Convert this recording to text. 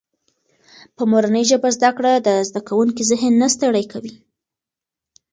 په مورنۍ ژبه زده کړه د زده کوونکي ذهن نه ستړی کوي.